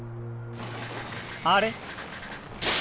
あれ？